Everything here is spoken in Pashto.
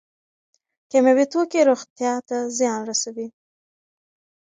کیمیاوي توکي روغتیا ته زیان رسوي.